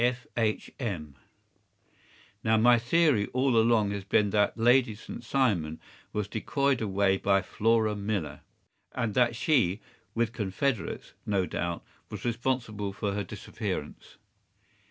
F. H. M.’ Now my theory all along has been that Lady St. Simon was decoyed away by Flora Millar, and that she, with confederates, no doubt, was responsible for her disappearance.